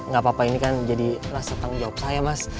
gak apa apa ini kan jadi rasa tanggung jawab saya mas